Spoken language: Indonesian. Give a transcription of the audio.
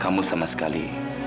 kamu sama sekali